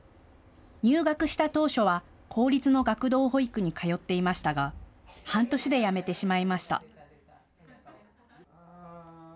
入学した当初は公立の学童保育に通っていましたが半年でやめてしまいました。